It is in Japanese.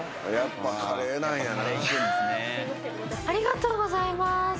ありがとうございます。